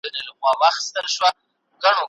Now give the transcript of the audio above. د سیند اوبه په تیږو نه بندیږي.